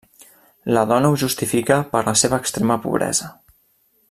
La dona ho justifica per la seva extrema pobresa.